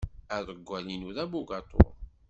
Aḍewwal-inu d abugaṭu.